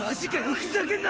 ふざけんな！